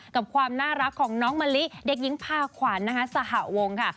กับความน่ารักของน้องมะลิเด็กยิงพาขวานซาฮะวงก์ค่ะ